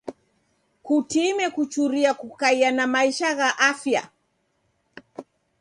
Kutime kuchuria kukaia na maisha gha afya.